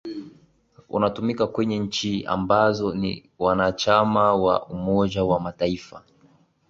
unatumika kwenye nchi ambazo ni wanachama wa umoja wa mataifa